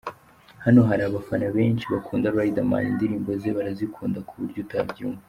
Hano hari abafana benshi bakunda Riderman, indirimbo ze barazikunda kuburyo utabyumva.